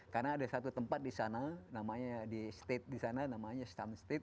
karena ada satu tempat di sana namanya di state di sana namanya stam state